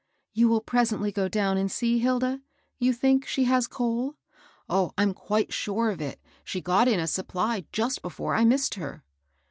" You will presently go down and see, Hilda. You think she has coal ?"^^ Oh, I'm quite sure of it I She got in a supply just before I missed her."